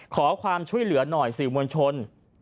ขอความช่วยเหลือหน่อยสื่อมวลชน